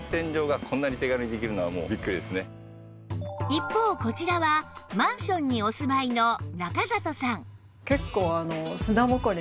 一方こちらはマンションにお住まいの中里さん